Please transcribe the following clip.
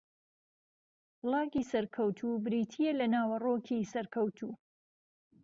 بڵاگی سەرکەوتوو بریتییە لە ناوەڕۆکی سەرکەوتوو